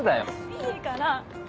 いいから！